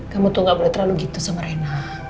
kamu tuh gak boleh terlalu gitu sama rena